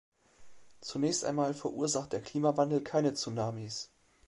Zunächst einmal verursacht der Klimawandel keine Tsunamis.